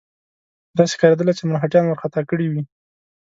داسې ښکارېدله چې مرهټیان وارخطا کړي وي.